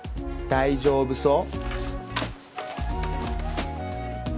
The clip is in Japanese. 大丈夫そう？